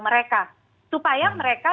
mereka supaya mereka